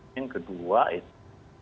yang kedua itu